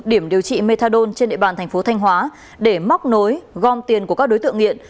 điểm điều trị methadone trên địa bàn thành phố thanh hóa để móc nối gom tiền của các đối tượng nghiện